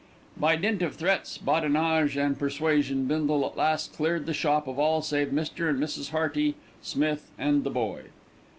By dint of threats, badinage, and persuasion Bindle at last cleared the shop of all save Mr. and Mrs. Hearty, Smith, and the boy.